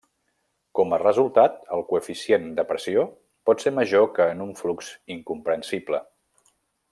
Com a resultat, el coeficient de pressió pot ser major que en un flux incompressible.